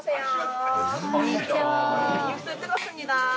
こんにちは。